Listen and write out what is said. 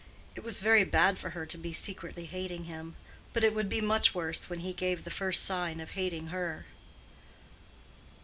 It was very bad for her to be secretly hating him; but it would be much worse when he gave the first sign of hating her.